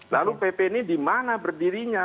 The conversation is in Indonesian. lalu pp ini dimana berdirinya